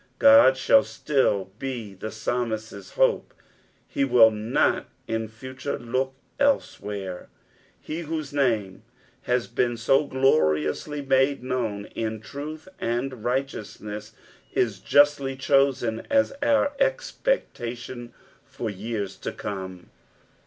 God shall still he the psalmist's hope ; he will not in future lock elsewhere. He whose name has been so gloriously made known in truth and righteousness, is justly chosen as our expectation for years to come.